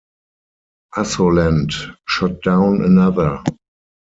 Assolent shot down another.